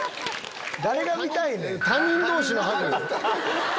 誰が見たいねん！